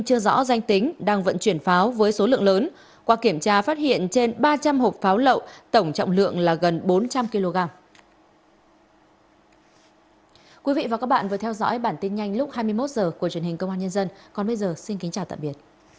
hãy đăng ký kênh để ủng hộ kênh của mình nhé